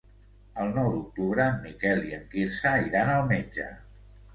El nou d'octubre en Miquel i en Quirze iran al metge.